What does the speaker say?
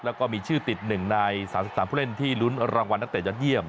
แล้วก็มีชื่อติด๑ใน๓๓ผู้เล่นที่ลุ้นรางวัลนักเตะยอดเยี่ยม